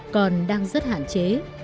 còn đang rất hạn chế